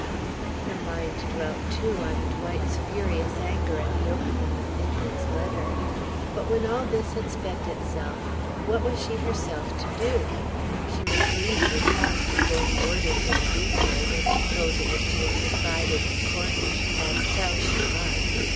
Her mind dwelt too on Dwight's furious anger at the opening of Ninian's letter. But when all this had spent itself, what was she herself to do? She must leave his house before he ordered her to do so, when she told him that she had confided in Cornish, as tell she must.